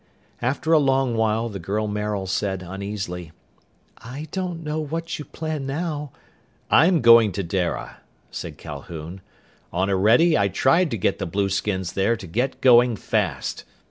After a long while, the girl Maril said uneasily, "I don't know what you plan now " "I'm going to Dara," said Calhoun. "On Orede I tried to get the blueskins there to get going, fast.